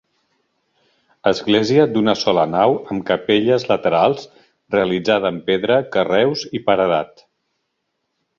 Església d'una sola nau amb capelles laterals, realitzada en pedra, carreus i paredat.